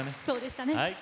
そうでしたね。